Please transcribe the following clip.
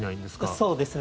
そうですね。